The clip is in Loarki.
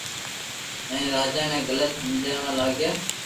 ھين راجا ني غلط ھمجوا لاگيو